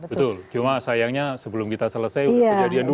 betul cuma sayangnya sebelum kita selesai kejadian dulu